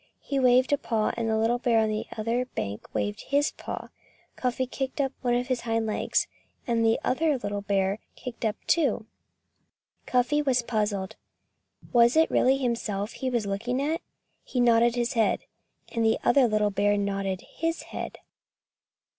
He waved a paw. And the little bear on the other bank waved his paw. Cuffy kicked up one of his hind legs. And the other little bear kicked up, too. Cuffy was puzzled. Was it really himself he was looking at? He nodded his head. And the other little bear nodded his head.